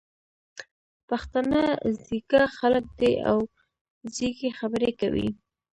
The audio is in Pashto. پښتانه ځيږه خلګ دي او ځیږې خبري کوي.